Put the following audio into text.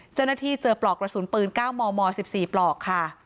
เจ้าหน้าที่เจอปลอกกระสุนปืน๙มม๑๔ปลอกค่ะ